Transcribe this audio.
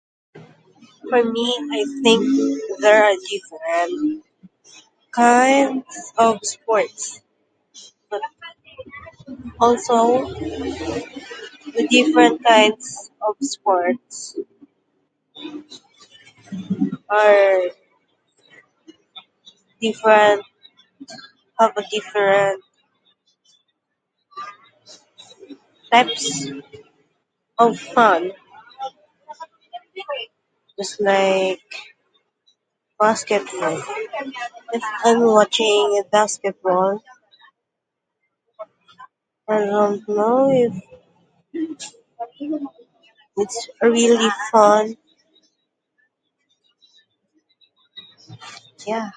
I mean, I think there are different kinds of sports. But also, the different kinds of sports, or different, or different... types of fun, is like... basketball. If I'm watching basketball, I don't know it... it's really fun. Yeah.